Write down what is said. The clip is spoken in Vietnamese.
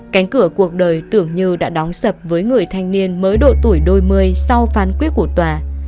cánh cửa cuộc đời tưởng như đã đóng sập với người thanh niên mới độ tuổi đôi mươi sau phán quyết của tòa